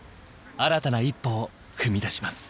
新たな一歩を踏み出します。